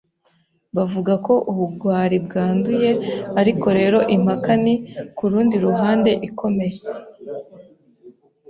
Bavuga ko ubugwari bwanduye; ariko rero impaka ni, kurundi ruhande, ikomeye